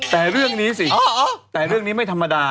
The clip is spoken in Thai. แต่เรื่องนี้สิแต่เรื่องนี้ไม่ธรรมดา